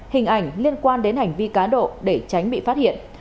hình ảnh liên quan đến hành vi cá độ để tránh bị phát hiện